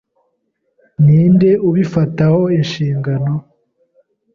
Ninde ubifataho inshingano?